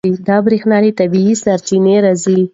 دا برېښنا له طبیعي سرچینو راځي.